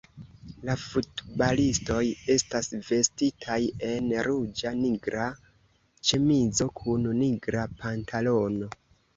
La futbalistoj estas vestitaj en ruĝa-nigra ĉemizo kun nigra pantalono.